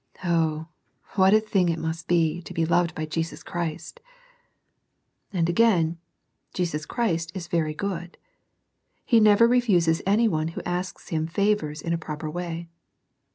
Oh, what a thing it must be to be loved by Jesus Christ I And again, Jesus Christ is very good. He never refuses any one who asks Him favours in a proper way.